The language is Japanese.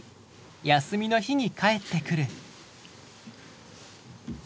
休みの日に帰ってくる。